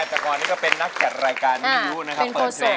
แต่ก่อนนี้ก็เป็นนักจัดรายการนิวนะครับ